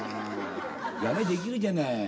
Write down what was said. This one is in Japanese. やりゃできるじゃない。